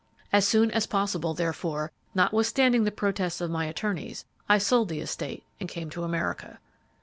As soon as possible, therefore, notwithstanding the protests of my attorneys, I sold the estate and came to America.